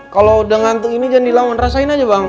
kalau udah ngantuk ini jangan dilawan rasain aja bang